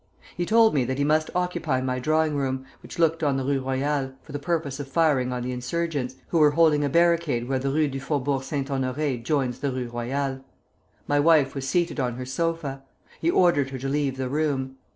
He told me that he must occupy my drawing room, which looked on the Rue Royale, for the purpose of firing on the insurgents, who were holding a barricade where the Rue du Faubourg Saint Honoré joins the Rue Royale. My wife was seated on her sofa. He ordered her to leave the room.